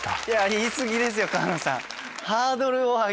言い過ぎですよ河野さん。